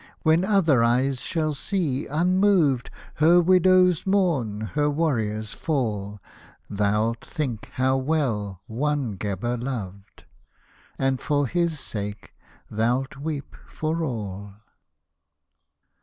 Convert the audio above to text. When other eyes shall see, unmoved. Her widows mourn, her warriors fall, Thou'lt think how well one Gheber loved, And for his sake thou'lt weep for all